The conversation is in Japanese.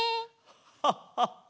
ハッハッハ！